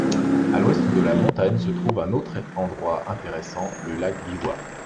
À l'ouest de la montagne se trouve un autre endroit intéressant, le lac Biwa.